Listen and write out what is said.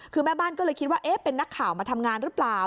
คือแม่บ้านก็เลยคิดว่าเอ๊ะเป็นนักข่าวมาทำงานหรือเปล่า